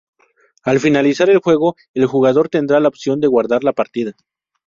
Al finalizar el juego el jugador tendrá la opción de guardar la partida.